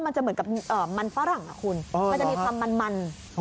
มันจะเหมือนกับมันฝรั่งคุณมันจะมีความมัน